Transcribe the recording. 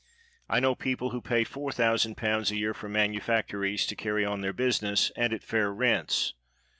I know people who pay four thousand pounds a year for manufactories to carry on their business, and at fair rents.